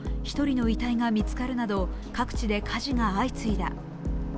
１人の遺体が見つかるなど各地で火事が相次いだ。